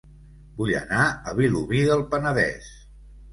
Vull anar a Vilobí del Penedès